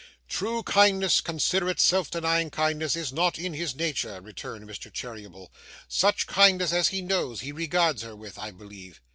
'True kindness, considerate self denying kindness, is not in his nature,' returned Mr. Cheeryble. 'Such kindness as he knows, he regards her with, I believe.